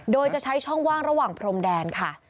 โดยจะใช้ช่องว่างระหว่างพรมแดนค่ะ